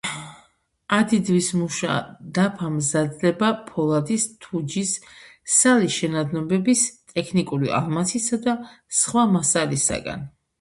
ადიდვის მუშა დაფა მზადდება ფოლადის, თუჯის, სალი შენადნობების, ტექნიკური ალმასისა და სხვა მასალისაგან.